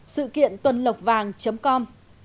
sự kiện tuần lộc vàng com